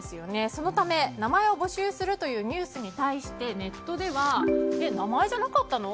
そのため、名前を募集するというニュースに対してネットでは名前じゃなかったの？